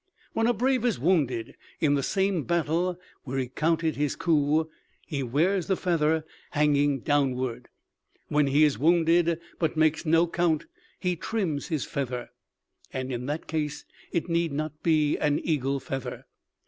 "When a brave is wounded in the same battle where he counted his coup, he wears the feather hanging downward. When he is wounded, but makes no count, he trims his feather, and in that case it need not be an eagle feather.